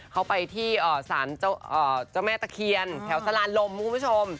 เขาไปที่สารเจ้าแม่ตะเคียนแถวสลานลมคุณผู้ชม